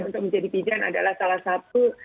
untuk menjadi bidan adalah salah satu